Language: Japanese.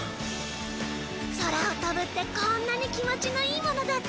空を飛ぶってこんなに気持ちのいいものだったのね。